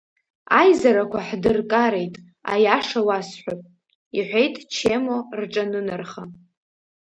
Аизарақәа ҳдыркареит, аиаша уасҳәап, – иҳәеит Чемо, рҿанынарха.